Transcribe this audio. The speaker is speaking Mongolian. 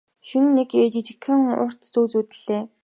Шөнө нь нэг жигтэйхэн урт зүүд зүүдэллээ.